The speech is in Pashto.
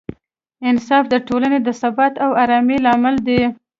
انصاف د ټولنې د ثبات او ارامۍ لامل دی.